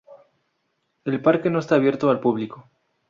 El parque no está abierto al público.